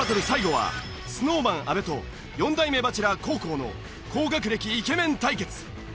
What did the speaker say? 最後はＳｎｏｗＭａｎ阿部と４代目バチェラー黄皓の高学歴イケメン対決。